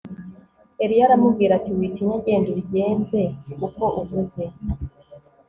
Eliya aramubwira ati Witinya genda ubigenze uko uvuze